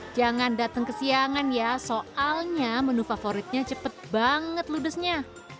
jangan datang kesiangan ya soalnya menu favoritnya cepat banget ludesnya